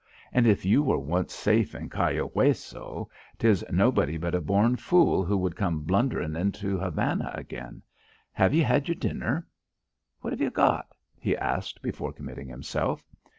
And if you were once safe in Cayo Hueso, 'tis nobody but a born fool who would come blunderin' into Havana again. Have ye had your dinner?" "What have you got?" he asked before committing himself.